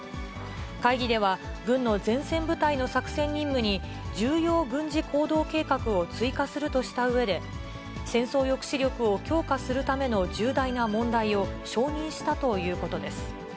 会議では、軍の前線部隊の作戦任務に重要軍事行動計画を追加するとしたうえで、戦争抑止力を強化するための重大な問題を承認したということです。